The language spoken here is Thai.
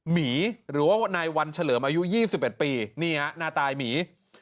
หมีหรือว่านายวันเฉลิมอายุ๒๑ปีนี่ฮะหน้าตายหมี